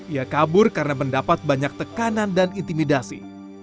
ia kabur karena mendapat banyak tekanan dan intimidasi